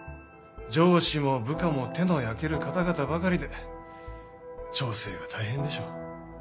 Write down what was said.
上司も部下も手の焼ける方々ばかりで調整が大変でしょう。